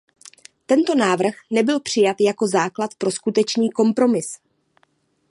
Tento návrh nebyl přijat jako základ pro skutečný kompromis.